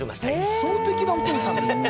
理想的なお父さんですね。